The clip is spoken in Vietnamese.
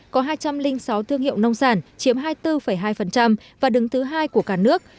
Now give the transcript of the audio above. có hai trăm linh sáu thương hiệu nông sản chiếm hai mươi bốn hai và đứng thứ hai của cả nước